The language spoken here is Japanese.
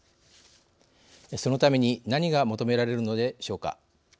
そのために何が求められるのでしょうか。